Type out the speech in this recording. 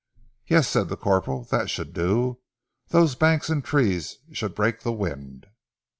"Yes," said the corporal, "that should do. Those banks and trees should break this wind."